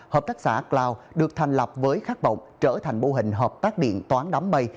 hợp tác xã cloud được thành lập với khát vọng trở thành mô hình hợp tác điện toán đám mây